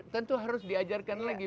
tentu harus diajarkan lagi